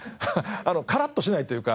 カラッとしないというか。